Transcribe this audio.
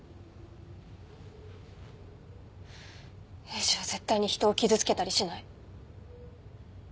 エイジは絶対に人を傷つけたりしない。